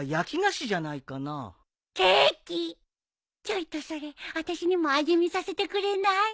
ちょいとそれあたしにも味見させてくれない？